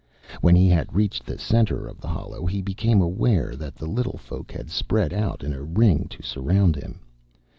When he had reached the center of the hollow he became aware that the little folk had spread out in a ring to surround him.